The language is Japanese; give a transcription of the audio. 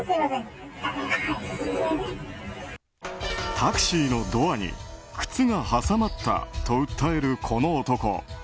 タクシーのドアに靴が挟まったと訴える、この男。